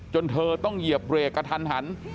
จนเธอต้องเหยียบเรกกระทัน